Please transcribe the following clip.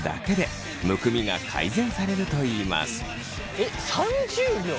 えっ３０秒！？